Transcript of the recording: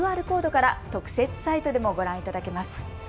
ＱＲコードから特設サイトでもご覧いただけます。